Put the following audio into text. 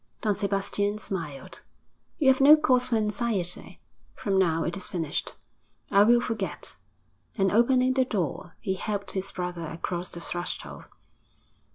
Don Sebastian smiled. 'You have no cause for anxiety. From now it is finished. I will forget.' And, opening the door, he helped his brother across the threshold.